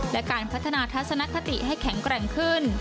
และการพัฒนาทัศนคติให้แข็งแกร่งขึ้น